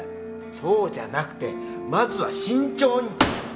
そうじゃなくてまずは慎重に。